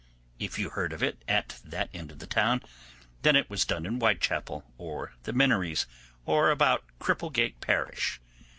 If you heard of it at that end of the town, then it was done in Whitechappel, or the Minories, or about Cripplegate parish.